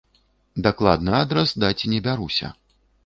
Дакладны адрас даць не бяруся.